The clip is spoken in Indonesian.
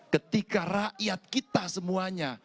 ketika rakyat kita semuanya